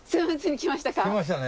来ましたね。